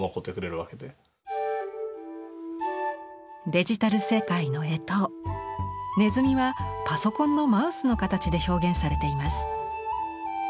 デジタル世界の干支ねずみはパソコンのマウスの形で表現されています。